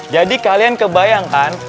jadi kalian kebayangkan